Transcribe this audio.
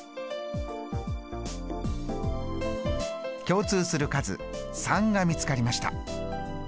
共通する数３が見つかりました。